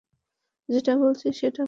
যেটা বলেছি সেটা কোর।